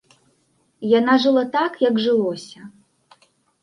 Яна жыла так як жылося.